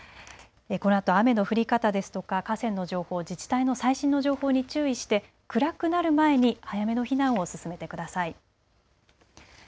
このあと雨の降り方ですとか河川の情報自治体の最新の情報に注意して暗くなる前に早めの避難を進めてください。